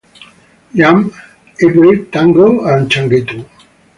Jam, Hybrid Tango and Tanghetto.